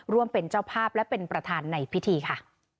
ร่วมเป็นเจ้าภาพและเป็นประธานในพิธีค่ะ